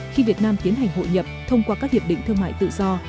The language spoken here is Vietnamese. khi việt nam tiến hành hội nhập thông qua các hiệp định thương mại tự do